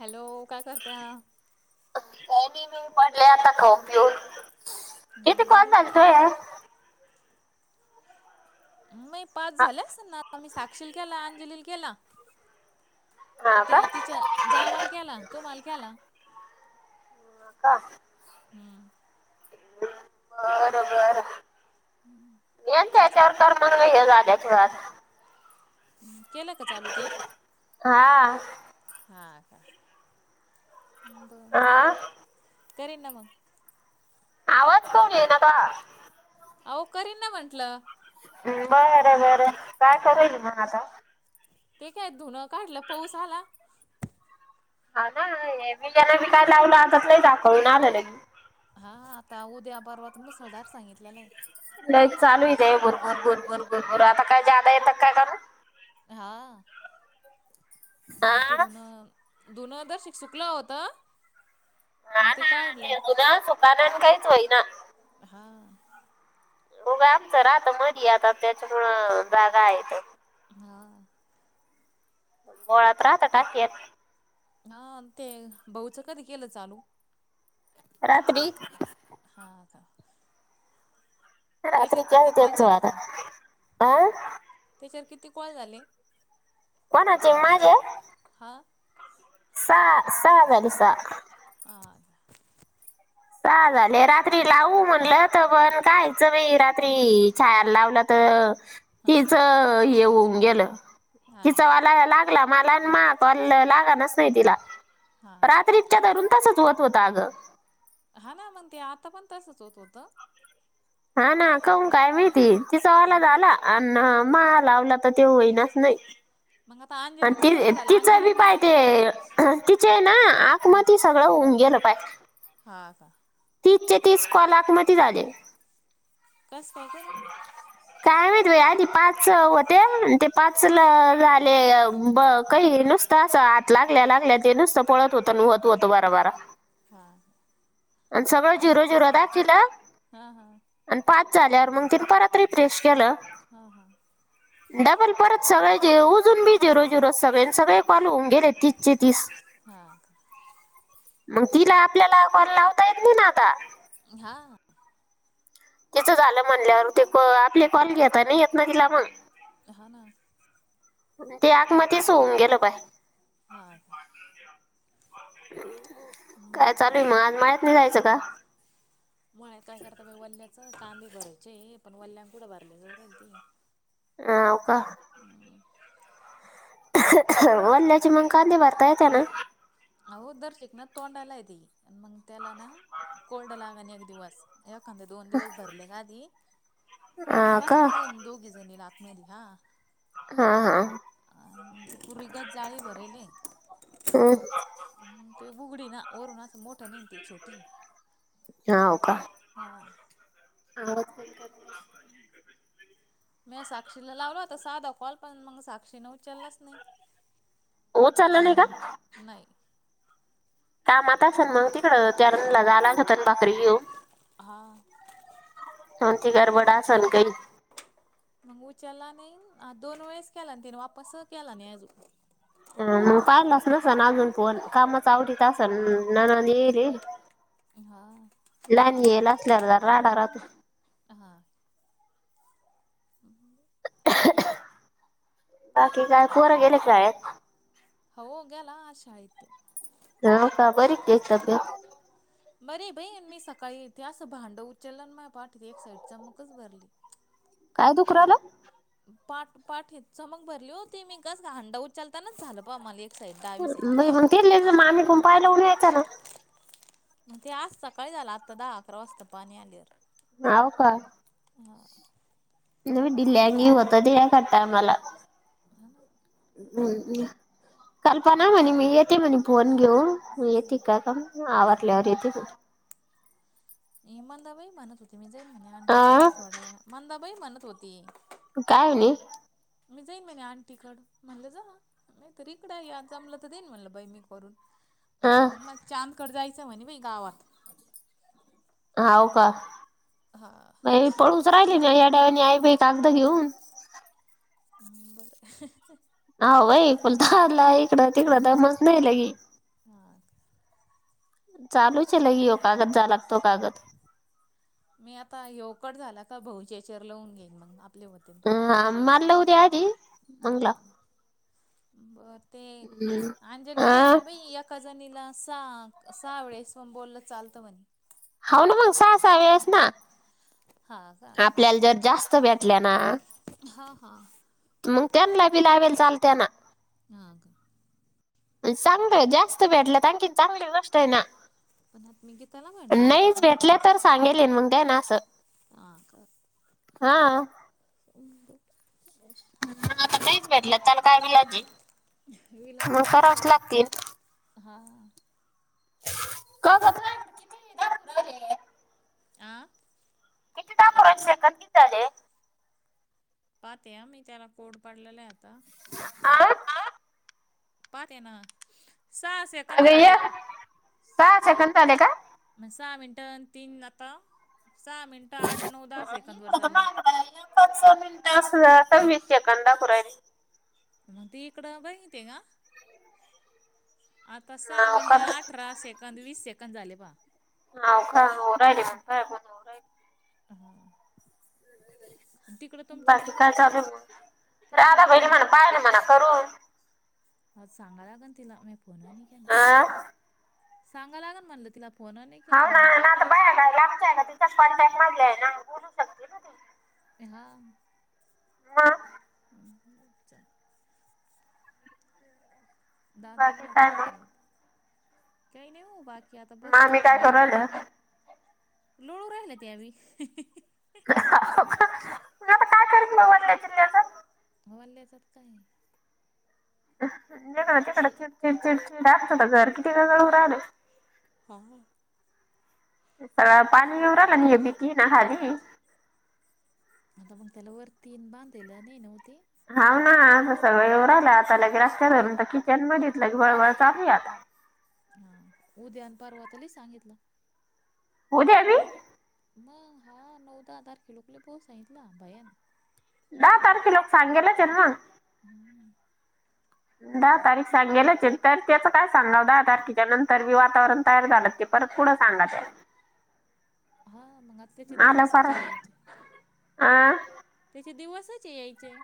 Hello काय करतय. कानी मी पडले आता ख पिऊन इथे कोण झाल तू. म पाच झालेस ना मी साक्षील केला अंजलील केला. हा का त्या तिच्या जावाल केला तुम्हाल केला. का. हम्म. बरोबर. हम्म. यांच याच्यावर तर मण हे जा त्याच्यावर. केलं का चालू ते. हा. हा का. आा. कररे ना म. आवाज कऊ येई न का. अवकरेना म्हंलं. बरं बरं काय करेल मग आता. ते काय धुनं काढलं पाऊस आला हा ना हे मी [unintelligible] जना मी काय लावलं आताच नाही दाखवून आलं नाही हा आता उद्या -परवात मुसळधार सांगितलेला आहे नाही चालू इते बुरमुर -बुरमुर -बुरमुर आता काय जादा येतात काय काण हा.. हा मग ते ऋन दुनं दर्शिक सुकलं होतं मग ते काढलं पानान काहीच होई ना हा.. होघ आमचं राहत मधी आता त्याच्यामुळं जागा आहे बोळात राहता का [unintelligible] हा ते भाऊच कधी केलं चालू रात्री हा का रात्री कळतेच आार हह [unintelligible] किती कॉल झाले? कोणाचे माझे सहा- सहा झाले सहा आ.. सहा झाले रात्री लावू म्हणलं तर पण कायचं [unintelligible] म रात्री छाया लावलं तर ह [inaudible] तिचं येऊन गेलं, तिचा वाला यायला लागला मला मा [unintelligible] लागच नाही तिला रात्रीच्या रून तसंच होतं -होतं अगं हा ना मग ते, आता पण तसच होतं-होतं हा ना कू काय माहिती तिचावाला झाला न्या मा लावला तर ते होईनाच नाही अ-ति -तिचं बी पाय ते तिचे ना, आक मदी ती सगळं होऊ येन पाय का -का तीस चे तीस कॉल आक मदी झाले कसं काय करू? ते आधी पाच होते ते पाच-झाले ब -काही नुसतं असा हात लागल्या-लागल्या ते नुसत पळत होतं-होत-होतं बरा- बरा. हा -हा. आणि सगळं झिरो-झिरो दाखील- हा -हा.. पाच झाल्यावर मग तिनं परत रिफ्रेश केलं हा-हा.. डबल परत सगळे जे उजून बी झेरो-झेरो सगळे-सगळे पालू गेले तीसचे-तीस मग तिला आपल्याला कॉल लावत [unintelligible] नी ना आता हा. तिचं झालं म्हणल्यावर, ते कॉ-आपले कॉल घेता नाही येत ना तिला मग हा ना. ते आत मध्येच होऊन गेलं बाय हा का. काय चालू आहे मग, आज मळ्यात नाही जायचं का? मळ्यात काय करता बाय, वल्ल्याच कांदे भरायचे पण वल्यां कुडं भरले जऊरल ते हा हो का. वल्ल्याची मग कांदे भरता येत ना. अ दरशक ना तोंडाला आहे ते, मग त्याला ना कोल्ड लाग आणि एक दिवस. एखांद दोन दिवस भरले आधी. मग हा का बसल्या जाईन, दोघे जणी आतमध्ये हा. हा हा. आणि परीगत जाळी भरयली. हम. बुगडी ना ओरून असं मोठं निंती छोटी. हो का. [unintelligible] [inaudible] मी साक्षीला लावला होता, साधा कॉल पण मग साक्षीने उचललाच नाही. उचला नाहीं का. कामत आसन मग, तिकड त्यारला जायला लागत असेल बाकरी घेऊन. हा. तुमची गरबड आसल कई? उचलला नाई, आण दोन वेळेस केला तिनं वापस केला नाई अजून तिनं. अ मग, पाहिलाच नसल न अजून फोन कामाच आवरीत असल नाना ने रे. लहान ये असल्यावर जरा राडा राहतो. हा. बाकी काय पोरं गेले शाळेत हो गेला आज शाळेत हा का बरी केस कटींग बरीय बाई मी सकाळी येथे अस भांड उचललं अन माझ्या पाठीत एक साईड चमकच भरली. दुकराला पाठ पाठीत चमक भरली होती मी कस हांडा उचचालतानाच झालं बा मला एक नाई मग तिथलेच माणिक पाय लाऊन यायचा ना. मग ते आज सकाळी झालं आत्ता दहा अकरा वाजता पाणी आल्यावर ह्याव का? हा. ढीलल्या वाणी होतं ते या करताय मला हम्म कल्पना म्हणे मी येते म्हणे फोन घेऊन येते का का आवरल्यावर येते ती ही मंदाबाई म्हणत होती मी जाईन म्हणे आंटी पण अ थोड्या वे मंदाबाई म्हणत होती. काय आणि मी जाईन म्हणे आंटीकडं म्हणलं जा नाही तर इकडं या जमलं तर देईन म्हटलं बाई मी करून पण हा काय म्हणे म चांदकडं जायचं म्हणे मी गावात हाव का मी पळू. राहिले ना या डाळयानी आई बाई कागदं घेऊन. बरं. हा व्हय फुलतालाय. तिकडं तिकडं तर मस नाही लय. चालूचं लय हयो कागद जाया लागतो कागद मी आता यवकट झाला का भाऊजेचेर लवून घेईन मग आ. ह माललं उद्या यादी नऊला बर ते अंजलीन ते अ म्हन बाई एका जनीला चा सहा वेळेस पण बोललं चालतं म्हणे. हाऊ ना मग सा सायेस ना. आपल्याला जर जास्त भेटल्या ना. हा. मग त्यांनला बी लावेल चाल त्यांना ह का? चांगलं जास्त भेटलं आणखीन चांगली गोष्ट आहे ना. पण आता मी गीताला मांडली गीता नाहीच चांगली भेटल्या तर वाटते. सांगेल मग द्या ना असं हा का? हा. मला आता नाहीच भेटलं त्याला काय विलाज हे म करावाच लागतील. हा. [unintelligible] आ. किती दाखवू राहिले सेकंद किती झाले. पाहते मी त्याला कोड पाडलेला आहे आता आ. पहाते ना सहा अग सेकंद झाले. एक सहा सेकंद झाले का? सहा मिनटं तीन आता सहा मिनटं, आठ, नऊ, दहा सेकंद वर चालल. पाच सहा मिनिट असल तर वीस सेकंद दाखवू राहिले. म त इकड भाहीते का? आता सहा हाव का मिनटं अठरा सेकंद वीस सेकंद झाले पा. हाव का हून राहिले मग काय म्हणून राहिले हा बाकी काय चालू मग राधा बहिनि म्हणा पाहिन म्हणा करून आज सांगाय लागन तिला आ सांगा लागन म्हणल तिलापण हाव ना नाता बाया काय लांबच्या आहे का तिच्याच कॉन्टॅक्ट मधल्या आहे ना बोलू शकते ना ती हे हा मग [unintelligible] दादो बाकी गेला का काय तो मग? शाळेत काही नाही हो बाकी मामी काय कराल्या? लोळू राहिल्या त्या बी हाव का मग आता काय करन बा त्या चिल्याच वल्या जात काय जीकड तिकड चिडचिड चिडचिड असत घर किती गळून राहिले हा पाणी येऊ राहिलं ना ह्या भीती ना खाली मग त्याला वरतीन बांधलेलं नाही नव्ह ते हाव ना आता सगळं येऊं राहलं आता लगे रस्त्यावररून तर किचन मितलं क वळवळ चालली आता हा उद्यान परवा त लई सांगितलं होद्या अभी मग हा नऊ दहा तारखे लोकले पाऊस सांगितला भयाण दहा तारखे लोक सांगेलच आहे ना हुं दहा तारीख सांगेलच तर त्याच काय सांगा दहा तारखेच्या नंतर मी वातावरण तयार झालं ते परत पुढं सांगा त्या [unintelligible] हा मग आता त्याचे आलं फार दिवसच यायचे अ त्याचे दिवस कचे यायचें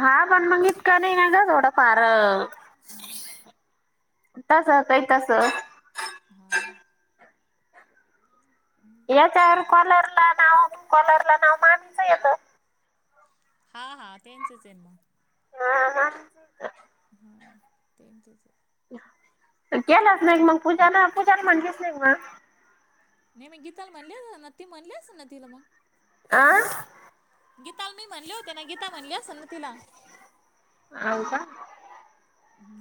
हा पण मग इतका नाही ना ग थोडं फार [unintelligible] तस काही तस [unintelligible] याच्यावर कॉलरला नाव कॉलर ला नाव मानस येत हा हा तेचच आहे मग हा हा [unintelligible] केलाच नाही मग पूजाला पूजाला म्हणलीच नाही मग नाहीे म गीता म्हण न म्हणलेस न तीला मग. आ गीताला मी म्हणले होते ना गीता म्हणली असेल ना तिला हो का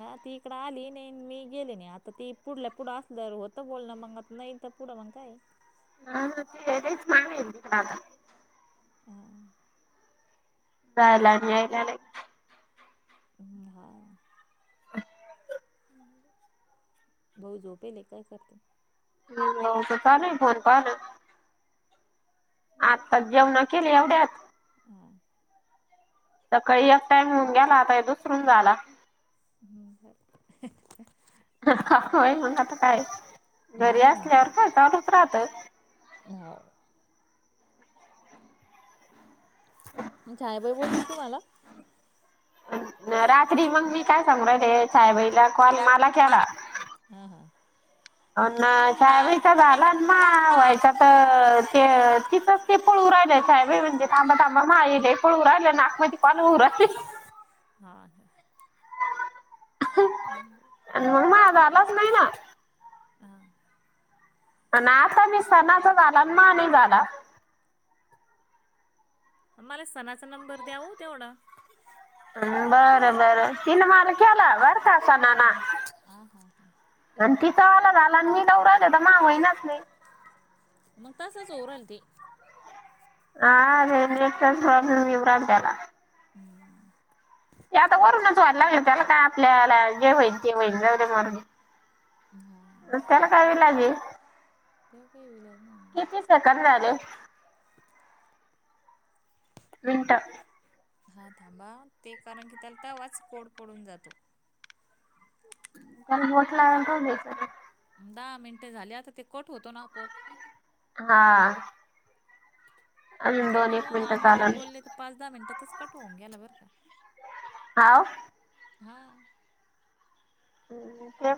हा ती इकड आली नाही मी गेले नाही आता ती पुढल्या पुढं असल होत बोलण मग आ नाही. थ पुढं मग काय नान होच माकडला झाला नयलाला ् हा भाऊ झोपेले काय करते. हम् हो का नाही फोन पाहन. आत्ता जेवणा केले एवढ्यात सकाळी एक टाइम होऊन गेला आता दुसरून झाला. [inaudible] हा हा हा. होय मग आता काय? घरी असल्यावर काय चालूच राहत. हो. छायाबाई बोलली तुम्हाला रात्री मग मी काय सांगते छायाबाईला कॉल मला केला. अ छायाबाईंचा झालं मग व्हायचा तर ते तिथंच ते पळू राहिलाय छायाबाई म्हणते थांबा थंबा माय पळू राहिला नाक मध्ये [unintelligible] हा ह. मग म झालाच नाही ना. आता [inaudible] अस झाला मा नाही झाला. मला सणाचा नंबर द्याव तेवढा. ह बरं बरं तिन बार केला बरका. [unintelligible] [unintelligible] तसं होवू राहवे ते. [unintelligible] आता वरूनच व्हायला लागलं त्याला का आपल्याला जे व्हाल ते होऊ दे. जाऊदे मरून. मग त्याला काय लाजे तेव्हा काही विेलाज नाही मग. सेकंद झाले मिनट. हा थांबा ते कारण की त्याला तेवाच कोड पडून जातो. गटला त देई शकत.. दहा मिनटे झाली आता ते कट होतो ना आपोआप. हा. आणि अजून ते दोन मी एक मग मिनिटं अंजली चालल बोलले तर पाच दहा मिनिटातच कट होन गेला बरं का. हा. हा. हम् ते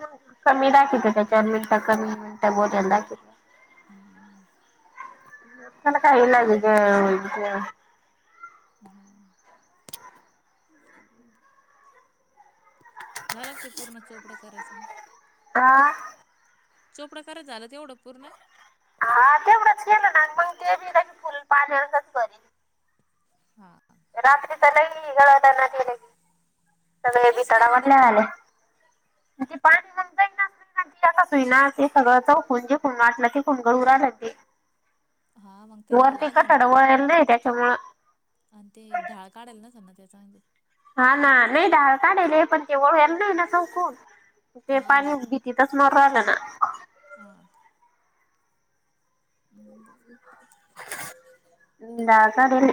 कमी दाखवले त्या चार मिनिट कमी मिनिटं बोलायला दाखवते. [inaudible] [inaudible] [inaudible] [inaudible] झालं ते पूर्ण चोपडं करायचं मग आ जो प्रकारच झाला तेवढं पूर्ण. हा तेवढंच केलं ना मग ते बी फुल पालेच असत. हा. रात्री तर लई अड ना केलेली सगळे बी तडावडले आले मग ते पाणी जातय ना. तई ना अस सगळं चौकून जे खून वाटलं ते खुनग उरलं ते वरती कठाड वळला नाही त्याच्यामुं आणि ते ढाळ काढेल ना सर ना त्याचा [inaudible] ते पाणी भिंतीतच मुरूम राहिलं ना. हा. हम्म. [inaudible] [inaudible] द काढल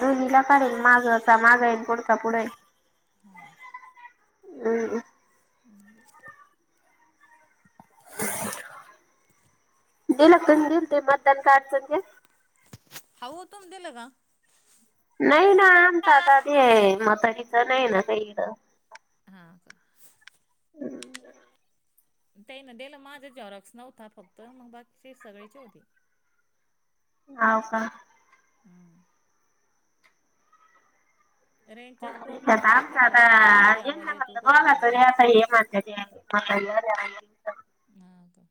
दोनला काढल मागंता मागा येईल पुढचा पुढ ये. हा का. [unintelligible] [unintelligible] दिल दिल ते मतदान कार्डच घे. हवतोम दिलं का. नाही ना आमत आताात मत हचं नाही ना का इड [unintelligible] ते ना दिलं माझा जॉरॉक्स नव्हता फक्त मग बाकी सगळेचे होती. हाव का. हम्म. [unintelligible] [unintelligible] हा का.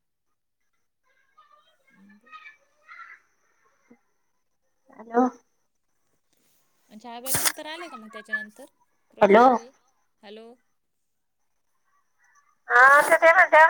हॅलो. हा वला नंतर आले का मग त्याच्या नंतर हॅलो प्रश्न काही हॅलो. [unintelligible]